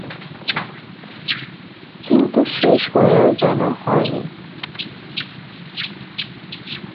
কিন্তু শেষ হয়েও যেন হয় নি।